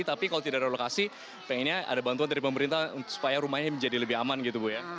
tapi kalau tidak ada lokasi pengennya ada bantuan dari pemerintah supaya rumahnya menjadi lebih aman gitu bu ya